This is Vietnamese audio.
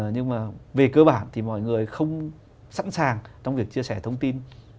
nhưng mà về cơ bản thì mọi người không sẵn sàng trong việc chia sẻ thông tin